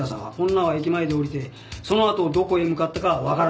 女は駅前で降りてそのあとどこへ向かったかはわからんらしい。